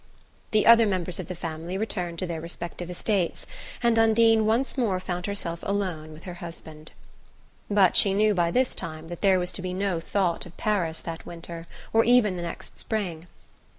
The other members of the family returned to their respective estates, and Undine once more found herself alone with her husband. But she knew by this time that there was to be no thought of Paris that winter, or even the next spring.